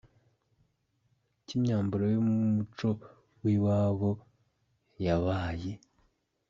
K’imyambaro yo mu muco w’iwabo Yabaye.